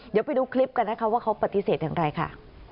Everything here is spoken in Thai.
เดี๋ยวไปดูคลิปกันนะคะว่าเขาปฏิเสธอย่างไรค่ะ